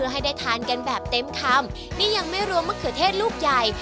ให้ได้ทานกันแบบเต็มคำนี่ยังไม่รวมมะเขือเทศลูกใหญ่